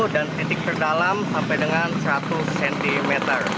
dan titik terdalam sampai dengan seratus cm